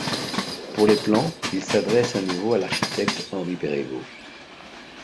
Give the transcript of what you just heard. Pour les plans, ils s’adressent à nouveau à l'architecte Henri Perregaux.